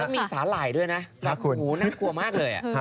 นี่ก็มีสาลายด้วยน่ะหัวหงูน่ากลัวมากเลย